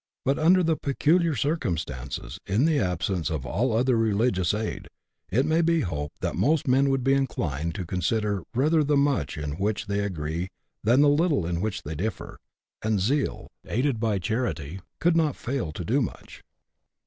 But under the peculiar circumstances, in the absence of all other religious aid, it may be hoped that most men would be inclined to consider rather the much in which they agree than the little in which they differ ; and zeal, aided by charity, could not fail to do much.